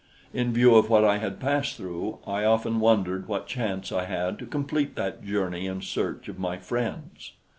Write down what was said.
In view of what I had passed through, I often wondered what chance I had to complete that journey in search of my friends.